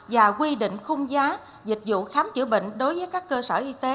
và quy định khung giá dịch vụ khám chữa bệnh đối với các cơ sở y tế